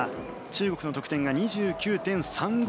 中国の得点が２９．３５０。